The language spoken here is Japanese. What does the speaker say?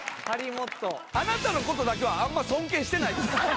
あなたのことだけはあんま尊敬してないです。